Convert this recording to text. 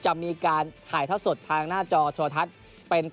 ครับจะมีการหายเท้าสดที่หน้าจอโทรทัศน์เป็นครั้งแรกในเมืองไทย